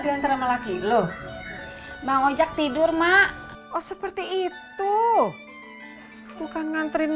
hai lu nggak diantara laki laki loh bang ojak tidur mak oh seperti itu bukan nganterin